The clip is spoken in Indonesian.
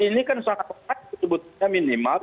ini kan sangat tepat sebutnya minimal